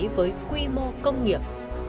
với quy mô công nghiệp